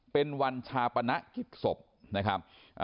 เป็นวันชาปณะกิจสบ